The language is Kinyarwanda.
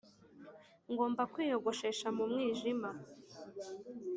ngomba kwiyogoshesha mu mwijima